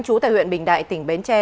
chú tại huyện bình đại tỉnh bến tre